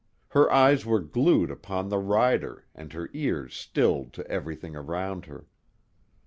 Her eyes were glued upon the rider and her ears stilled to everything around her.